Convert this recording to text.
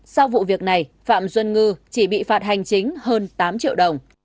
sau vụ việc này phạm xuân ngư chỉ bị phạt hành chính hơn tám triệu đồng